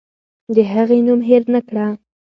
د هغې نوم هېر نکړه.